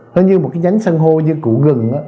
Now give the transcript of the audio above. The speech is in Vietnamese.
nó như một cái nhánh săn hô như củ gừng